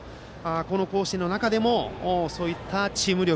この甲子園の中でもそういったチーム力